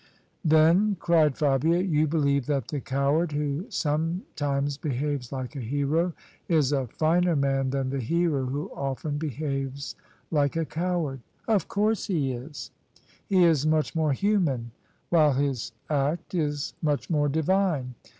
" Then," cried Fabia, " you believe that the coward who sometimes behaves like a hero is a finer man than the hero who often behaves like a coward? "" Of course he is : he is much more human, while his act IS much more divine.